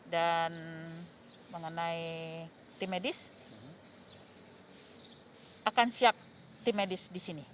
dan mengenai tim medis akan siap tim medis di sini